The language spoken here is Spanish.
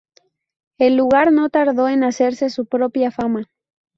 El lugar no tardo en hacerse su propia fama.